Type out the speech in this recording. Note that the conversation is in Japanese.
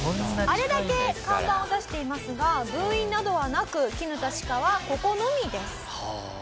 あれだけ看板を出していますが分院などはなくきぬた歯科はここのみです。